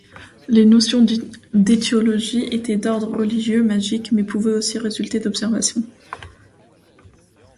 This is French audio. Les notions d'étiologies étaient d'ordres religieux, magique, mais pouvaient aussi résulter d'observations.